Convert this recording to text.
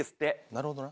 なるほどな。